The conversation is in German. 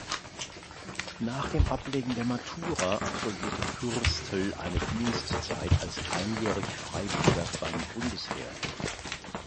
Nach dem Ablegen der Matura absolvierte Pürstl eine Dienstzeit als Einjährig-Freiwilliger beim Bundesheer.